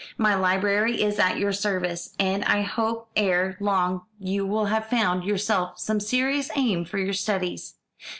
My library is at your service, and I hope ere long you will have found yourself some serious aim for your studies.